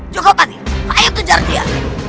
jogopati ayo kejar dia